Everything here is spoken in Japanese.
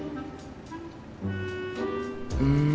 うん。